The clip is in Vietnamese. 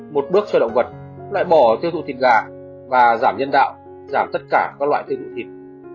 một bước sơ động vật loại bỏ tiêu thụ thịt gà và giảm nhân đạo giảm tất cả các loại tiêu thụ thịt